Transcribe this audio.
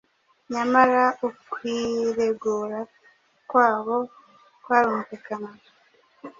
nyamara ukwiregura kwabo kwarumvikanaga,